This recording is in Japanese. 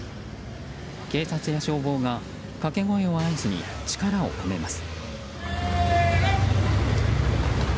警察や消防が掛け声を合図に力を込めます。